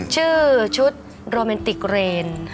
ชื่อชุดโรแมนติกเรน